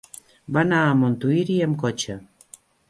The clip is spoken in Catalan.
Va anar a Montuïri amb cotxe.